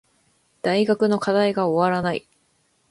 大学の課題が終わらない